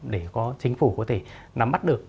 để có chính phủ có thể nắm mắt được